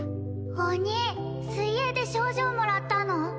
お兄水泳で賞状もらったの？